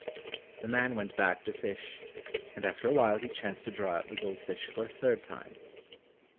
The man went back to fish, and after a while he chanced to draw out the gold fish for a third time.